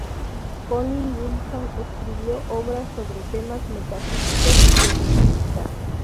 Colin Wilson escribió obras sobre temas metafísicos y ocultistas.